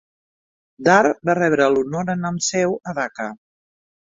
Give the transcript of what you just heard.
Dhar va rebre l'honor en nom seu a Dhaka.